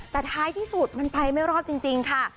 แต่ท้ายที่สุดมันไปไม่รอดจริงค่ะ